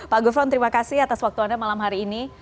pak gufron terima kasih atas waktu anda malam hari ini